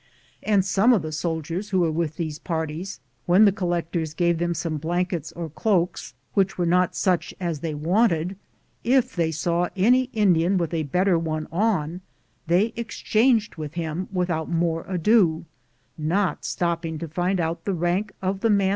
And some of the soldiers who were in these parties, when the collec tors gave them some blankets or cloaks which were not such as they wanted, if they saw any Indian with a better one on, they ex changed with him without more ado, not stopping to find out the rank of the man.